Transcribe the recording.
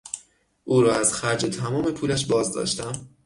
او را از خرج تمام پولش باز داشتم.